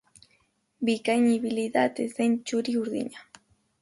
Bikain ibili da atezain txuri-urdina.